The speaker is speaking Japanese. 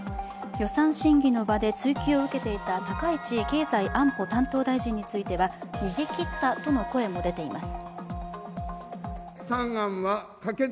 予算審議の場で追及を受けていた高市経済安保担当大臣については逃げきったとの声も出ています。